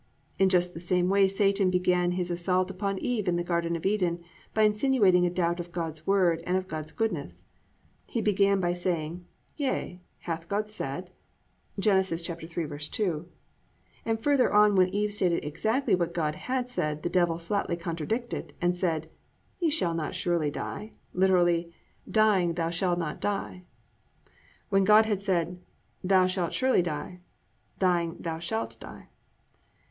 "+ In just the same way Satan began his assault upon Eve in the Garden of Eden, by insinuating a doubt of God's Word and of God's goodness. He began by saying: +"Yea, hath God said. ...?"+ (Gen. 3:2), and further on when Eve stated exactly what God had said, the Devil flatly contradicted and said: +"Ye shall not surely die"+ (literally, Dying, thou shalt not die) when God had said: +"Thou shalt surely die"+ (Dying, thou shalt die).